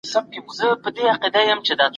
ګډ تشنابونه میکروبونه خپروي.